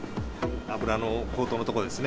油の高騰のところですね。